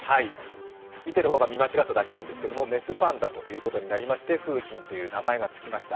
見てる方が見間違っただけなんですけれども、雌パンダということになりまして楓浜という名前が付きました。